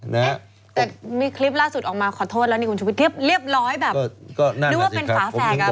แต่มีคลิปล่าสุดออกมาขอโทษแล้วนี่คุณชุมพิษเรียบร้อย